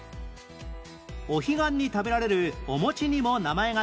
お彼岸に食べられるお餅にも名前が付く